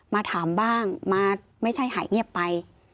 มาถามบ้างมาไม่ใช่หายเงียบไป